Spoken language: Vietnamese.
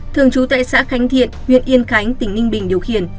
thường trú tại xã khánh thiện huyện yên khánh tỉnh ninh bình điều khiển